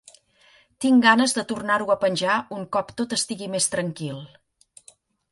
Tinc ganes de tornar-ho a penjar un cop tot estigui més tranquil.